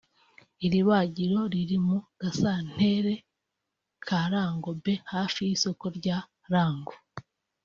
Iri bagiro riri mu gasantere ka Rango B hafi y’isoko rya Rango